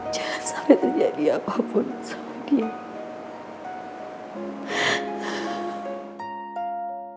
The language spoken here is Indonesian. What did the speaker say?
jangan sampai terjadi apapun sama dia